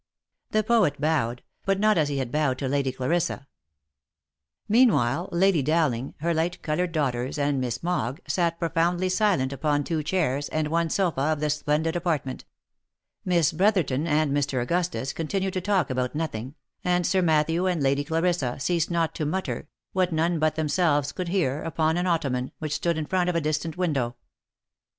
The poet bowed, but not as he had bowed to Lady Clarissa. Meanwhile, Lady Dowling, her light coloured daughters, and Miss Mogg, sat profoundly silent upon two chairs and one sofa of the splendid apartment ; Miss Brotherton and Mr. Augustus con tinued to talk about nothing, and Sir Matthew and Lady Clarissa ceased not to mutter, what none but themselves could hear, upon an ottoman, which stood in front of a distant window.